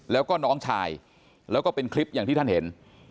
แล้วก็น้องชายแล้วก็เป็นคลิปอย่างที่ท่านเห็น